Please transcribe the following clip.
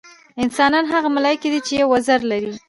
انسانان هغه ملایکې دي چې یو وزر لري.